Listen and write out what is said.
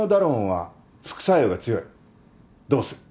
どうする？